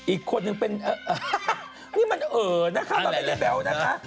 อีกคนหนึ่งเป็นนี่มันเออนะคะแบบนั้นไงแบ๊เรานะคะ